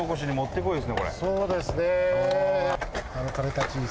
そうですね